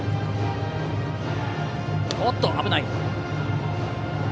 おっと、危ない。